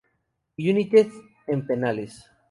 United en penales.